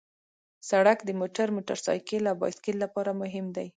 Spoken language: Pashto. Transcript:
سړک د موټر، موټرسایکل او بایسکل لپاره مهم دی.